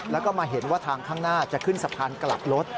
แล้วก็มาเห็นว่าทางข้างหน้าจะขึ้นสะพานกลับรถ